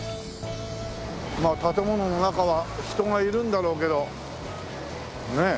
まあ建物の中は人がいるんだろうけどねえ。